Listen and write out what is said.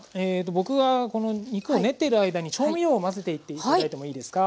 僕がこの肉を練っている間に調味料を混ぜていって頂いてもいいですか？